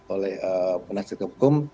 oleh penasihat hukum